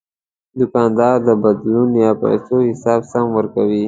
دوکاندار د بدلون یا پیسو حساب سم ورکوي.